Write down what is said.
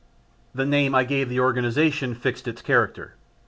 The name I gave the organisation fixed its character.